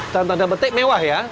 dalam tanda petik mewah ya